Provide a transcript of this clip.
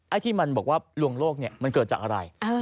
ที่มันบอกว่าลวงโลกเนี่ยมันเกิดจากอะไร